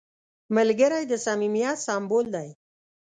ملګری د صمیمیت سمبول دی